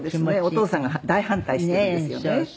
お父さんが大反対しているんですよね。